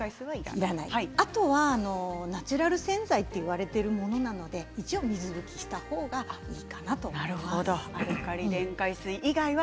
あとは、ナチュラル洗剤といわれているものなので一応、水拭きした方がいいかなと思います。